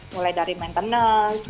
mulai dari maintenance